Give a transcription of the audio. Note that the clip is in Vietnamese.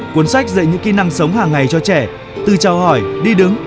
cuốn sách dạy những kỹ năng sống hàng ngày cho trẻ từ trao hỏi đi đứng